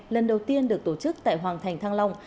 lần đầu tiên được tổ chức tại hoàng thành thăng long